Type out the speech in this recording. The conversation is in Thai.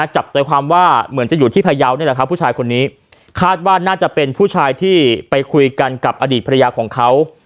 จับใจความว่าเหมือนจะอยู่ที่พยาวน์คาดว่าน่าจะเป็นผู้ชายที่ไปคุยกันกับอดีตพระยาของเขา